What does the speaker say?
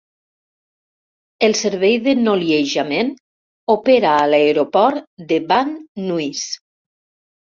El servei de noliejament opera a l'aeroport de Van Nuys.